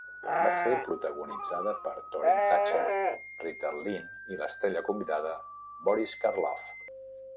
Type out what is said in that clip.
Va ser protagonitzada per Torin Thatcher, Rita Lynn i l'estrella convidada Boris Karloff.